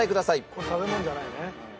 これ食べ物じゃないね。